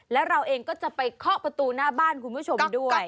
แล้วเราเองก็จะไปเคาะประตูหน้าบ้านคุณผู้ชมด้วย